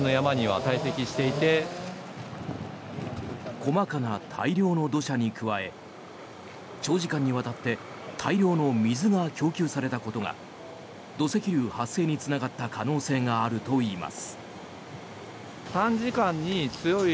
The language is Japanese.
細かな大量の土砂に加え長時間にわたって大量の水が供給されたことが土石流発生につながった可能性があるといいます。